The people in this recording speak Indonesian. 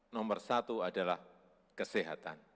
nomor satu adalah kesehatan